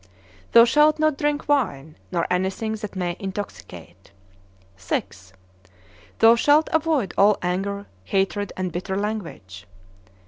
Thou shalt not drink wine, nor anything that may intoxicate. VI. Thou shalt avoid all anger, hatred, and bitter language.